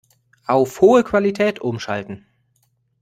Auf hohe Qualität umschalten.